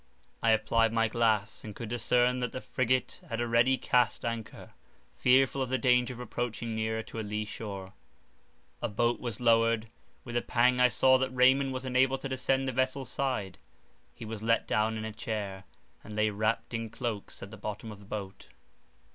I applied my glass, and could discern that the frigate had already cast anchor, fearful of the danger of approaching nearer to a lee shore: a boat was lowered; with a pang I saw that Raymond was unable to descend the vessel's side; he was let down in a chair, and lay wrapt in cloaks at the bottom of the boat.